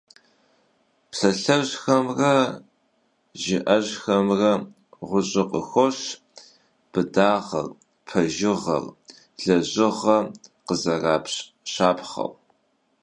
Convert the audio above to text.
Psalhejxemre jjı'eğuexemre ğuş'ır khıxoş bıdağer, pejjığer, lejığer khızerapş şapxheu.